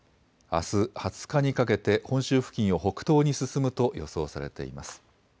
あす２０日にかけて、本州付近を北東に進むと予想されています。